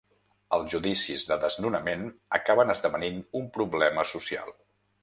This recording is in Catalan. Els judicis de desnonament acaben esdevenint un problema social.